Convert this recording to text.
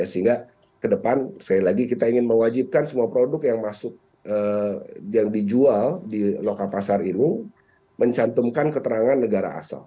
sehingga ke depan sekali lagi kita ingin mewajibkan semua produk yang dijual di lokal pasar ini mencantumkan keterangan negara asal